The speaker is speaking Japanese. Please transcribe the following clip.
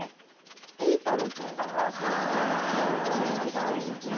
ビートルズのイメージがあります。